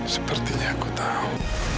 sepertinya aku tahu